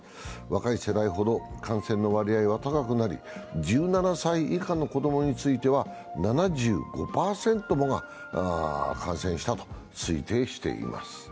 若い世代ほど感染の割合は高くなり、１７歳以下の子供については、７５％もが感染したと推定しています。